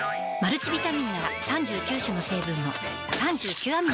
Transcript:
マルチビタミンなら３９種の成分の３９アミノ